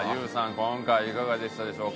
今回いかがでしたでしょうか？